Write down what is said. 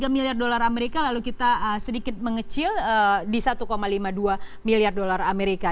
tiga miliar dolar amerika lalu kita sedikit mengecil di satu lima puluh dua miliar dolar amerika